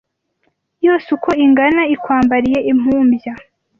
Yose uko ingana, Ikwambariye impumbya